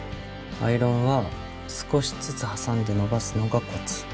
アイロンは少しずつ挟んで伸ばすのがコツ。